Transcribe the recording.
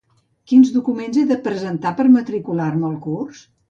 Quins documents he de presentar per matricular-me al curs?